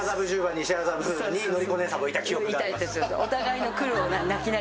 西麻布に典子姉さんもいた記憶があります。